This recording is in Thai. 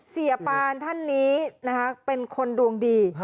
เสียปานท่านนี้นะคะเป็นคนดวงดี